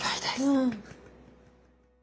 うん。